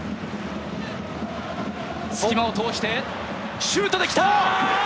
隙間を通してシュートで来た！